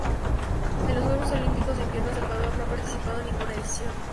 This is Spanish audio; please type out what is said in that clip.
En los Juegos Olímpicos de Invierno El Salvador no ha participado en ninguna edición.